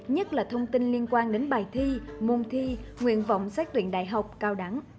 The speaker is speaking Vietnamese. nhất là thông tin liên quan đến bài thi môn thi nguyện vọng xét tuyển đại học cao đẳng